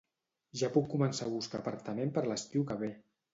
Ja puc començar a buscar apartament per l'estiu que ve